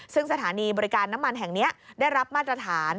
ซึ่งสถานีบริการน้ำมันแห่งนี้ได้รับมาตรฐาน